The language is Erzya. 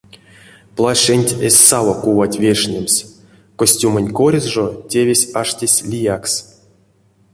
Плащенть эзь саво кувать вешнемс, костюмонть коряс жо тевесь аштесь лиякс.